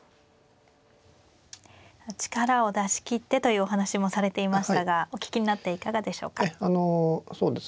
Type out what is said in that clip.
力を出し切ってというお話もされていましたがお聞きになっていかがでしょうか。